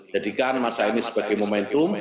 jadikan masa ini sebagai momentum